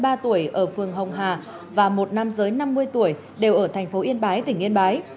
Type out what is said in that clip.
một phụ nữ bốn mươi ba tuổi ở phường hồng hà và một nam giới năm mươi tuổi đều ở thành phố yên bái tỉnh yên bái